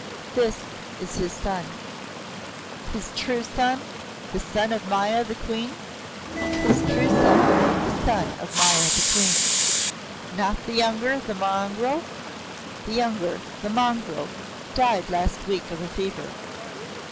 "This is his son." "His true son the son of Maya the Queen?" "His true son, the son of Maya the Queen." "Not the younger the mongrel?" "The younger the mongrel died last week of a fever."